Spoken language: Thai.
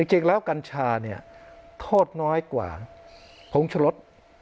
จริงแล้วกัญชาโทษน้อยกว่าพงศรศ